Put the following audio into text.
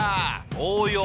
応用！